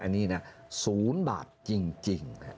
อันนี้นะ๐บาทจริง